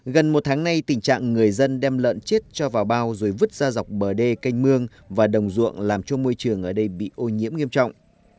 gần một tháng nay tình trạng người dân đem lợn chết cho vào bao rồi vứt ra dọc bờ đê canh mương và đồng ruộng làm cho môi trường ở đây bị ô nhiễm nghiêm trọng